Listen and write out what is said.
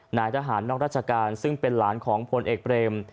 นายทหารนอกราชการซึ่งเป็นหลานของพลเอกเบรม